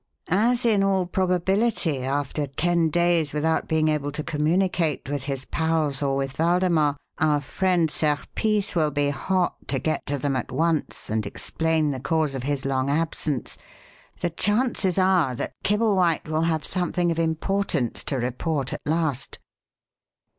As, in all probability, after ten days without being able to communicate with his pals or with Waldemar, our friend Serpice will be hot to get to them at once and explain the cause of his long absence, the chances are that Kibblewhite will have something of importance to report at last."